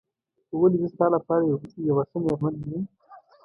ولې زه ستا لپاره یوه ښه مېرمن نه یم؟